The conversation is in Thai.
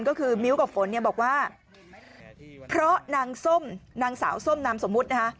ก็คือมิ้วกับฝนบอกว่าเพราะนางส้มนางสาวส้มนามสมมุตร